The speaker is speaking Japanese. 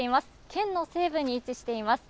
県の西部に位置しています。